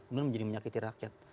beneran menjadi menyakiti rakyat